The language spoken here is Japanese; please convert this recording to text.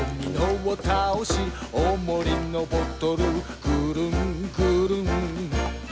「おもりのボトルぐるんぐるん」